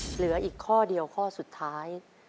เหลืออีกข้อเดียวข้อสุดท้าย